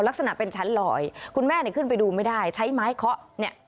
ลักษณะเป็นชั้นลอยคุณแม่เนี่ยขึ้นไปดูไม่ได้ใช้ไม้เคาะเนี่ย